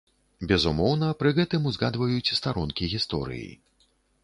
Безумоўна, пры гэтым узгадваюць старонкі гісторыі.